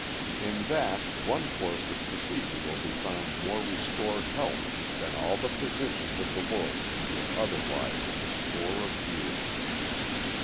In that one course of procedure will be found more restored health than all the physicians of the world can give otherwise in a score of years.